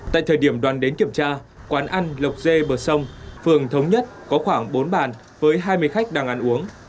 tại thời điểm đoàn đến kiểm tra quán ăn lộc dê bờ sông phường thống nhất có khoảng bốn bàn với hai mươi khách đang ăn uống